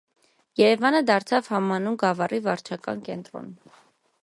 Երևանը դարձավ համանուն գավառի վարչական կենտրոնը։